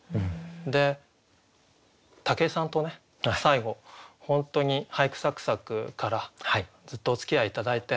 で武井さんとね最後本当に「俳句さく咲く！」からずっとおつきあい頂いて。